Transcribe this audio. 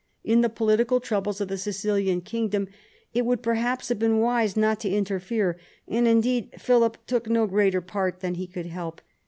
In the political troubles of the Sicilian kingdom it would perhaps have been wise not to interfere, and indeed Philip took no greater part than he could help.